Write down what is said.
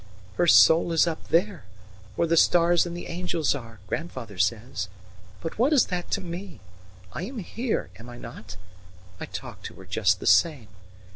"Her soul is up there, where the stars and the angels are, grandfather says. But what is that to me? I am here am I not? I talk to her just the same.